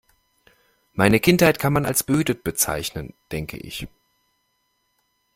Meine Kindheit kann man als behütet bezeichnen, denke ich.